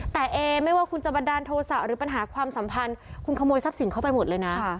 แต่เอไม่ว่าคุณจะบันดาลโทษะหรือปัญหาความสัมพันธ์คุณขโมยทรัพย์สินเข้าไปหมดเลยนะ